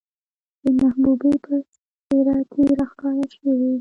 د محبوبې په څېره کې راښکاره شوې،